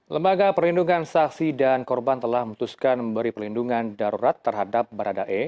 lembaga perlindungan saksi dan korban telah memutuskan memberi perlindungan darurat terhadap baradae